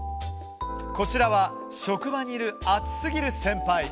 こちらは職場にいるアツすぎる先輩。